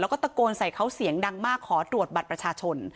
แล้วก็ตะโกนใส่เขาเสียงดังมากขอตรวจบัตรประชาชน